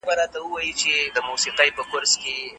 آیا لاسي کار تر ماشیني کار ګران دی؟